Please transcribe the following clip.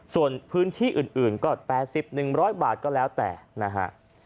ส่วนพื้นที่อื่นก็๘๐รกก็ร้อยบาทแล้วแต่นะฮะ